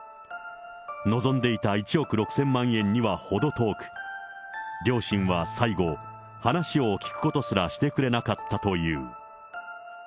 望んでいた１億６０００万円には程遠く、両親は最後、話を聞くことすらしてくれなかったという。